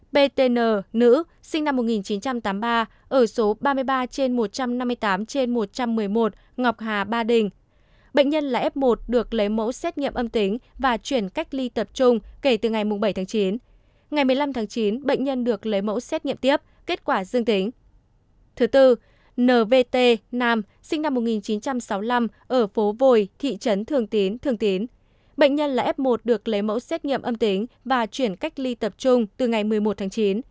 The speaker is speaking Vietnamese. bệnh nhân là f một được lấy mẫu xét nghiệm âm tính và chuyển cách ly tập trung từ ngày một mươi một tháng chín